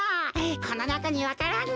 このなかにわか蘭が。